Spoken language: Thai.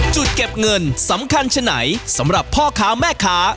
จุดเก็บเงินสำคัญฉะไหนสำหรับพ่อค้าแม่ค้า